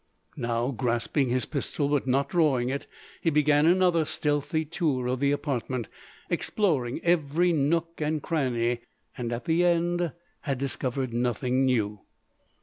Now, grasping his pistol but not drawing it, he began another stealthy tour of the apartment, exploring every nook and cranny. And, at the end, had discovered nothing new.